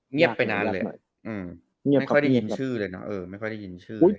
เงียบไปนานเลยไม่ค่อยได้ยินชื่อเลยนะ